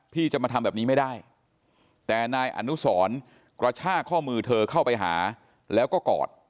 พี่จะมาทำแบบนี้ไม่ได้แต่นายอนุสรกระชากข้อมือเธอเข้าไปหาแล้วก็กอด